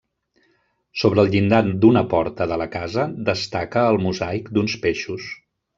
Sobre el llindar d'una porta de la casa destaca el mosaic d'uns peixos.